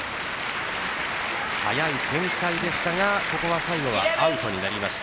早い展開でしたがここは最後はアウトになりました。